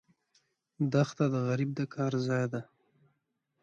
دښته د غریب د کار ځای ده.